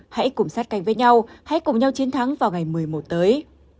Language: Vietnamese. hãy cùng sát cánh với nhau hãy cùng nhau chiến thắng vào ngày một mươi một tới